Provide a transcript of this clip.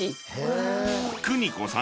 ［邦子さん